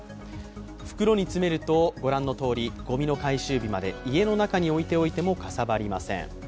袋に詰めるとご覧のとおりごみの回収日まで家の中に置いておいてもかさばりません。